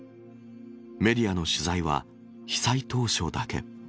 メディアの取材は被災当初だけ。